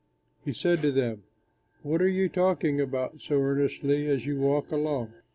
He said to them, "What are you talking about so earnestly as you walk along?"